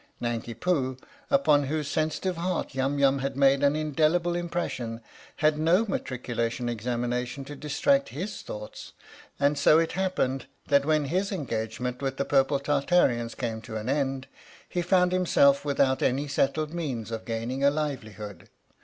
Nanki 9 THE STORY OF THE MIKADO Poo, upon whose sensitive heart Yum Yum had made an indelible impression, had no Matriculation Examination to distract his thoughts, and so it happened that when his engagement with the Purple Tartarians came to an end, he found himself without any settled means of gaining a livelihood.